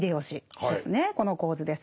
この構図です。